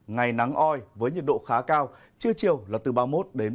ngày nắng oi với nhiệt độ khá cao trưa chiều là từ ba mươi một ba mươi bốn độ có nơi cao hơn